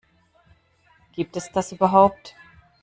Gibt es das überhaupt?